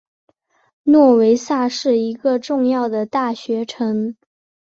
诺维萨是一个重要的大学城。